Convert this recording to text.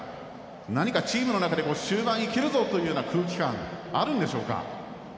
何かチームの中で終盤いけるぞ！というような空気感、あるんでしょうか？